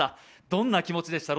どんな気持ちでした？